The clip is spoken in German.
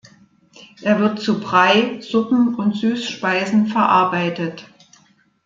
Er wird zu Brei, Suppen und Süßspeisen verarbeitet.